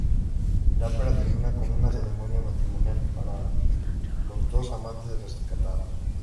La ópera termina con una ceremonia matrimonial para los dos amantes rescatados.